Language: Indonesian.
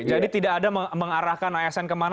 jadi tidak ada mengarahkan asn kemana